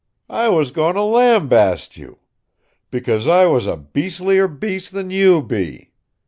I was goin' to lambaste you. Because I was a beastlier beast than YOU be.